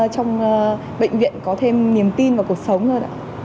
trong bệnh viện có thêm niềm tin vào cuộc sống hơn ạ